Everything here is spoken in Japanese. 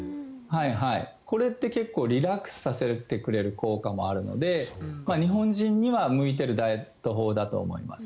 これって結構リラックスさせてくれる効果ってあるので日本人には向いているダイエット法だと思います。